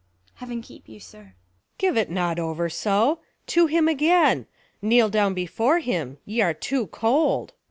Heaven keep you, sir. Luc. Give it not over so ! to him again : Kneel down before him ; y'are too cold.